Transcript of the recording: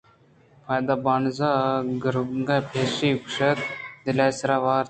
پدا بانز ءُ گُراگ ءَ کپیسی گوشت دل ءِ سیر ءَ وارت